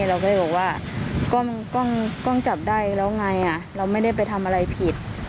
เราก็เลยบอกว่ากล้องจับได้แล้วไงเราไม่ได้ไปทำอะไรผิด